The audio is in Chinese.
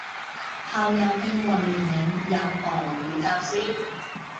后又聘王元龄任俄语教师。